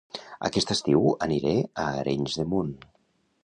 Aquest estiu aniré a Arenys de Munt